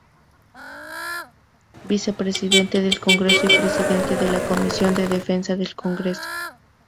Vicepresidente del Congreso y Presidente de la Comisión de Defensa del Congreso.